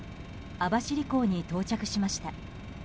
網走港に到着しました。